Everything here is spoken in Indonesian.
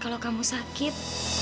kalau kamu sakit